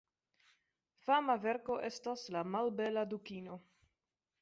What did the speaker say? Fama verko estas "La malbela dukino".